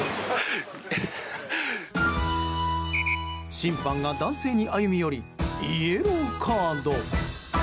審判が男性に歩み寄りイエローカード！